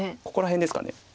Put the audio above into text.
ここら辺ですかね。